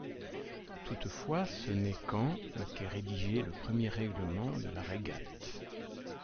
Toutefois, ce n'est qu’en qu'est rédigé le premier règlement de la régate.